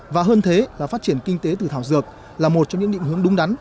và hơn thế là phát triển kinh tế từ thảo dược là một trong những định hướng đúng đắn